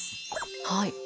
はい。